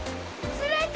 「釣れた！